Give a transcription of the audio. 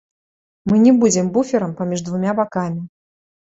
Мы не будзем буферам паміж двума бакамі.